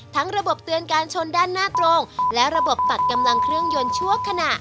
ระบบเตือนการชนด้านหน้าตรงและระบบตัดกำลังเครื่องยนต์ชั่วขณะ